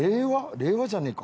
令和じゃねえか。